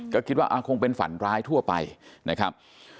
ก็คิดว่าคงเป็นฝันร้ายทั่วไปนะครับ